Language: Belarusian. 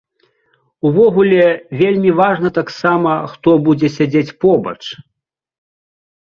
Увогуле, вельмі важна таксама, хто будзе сядзець побач.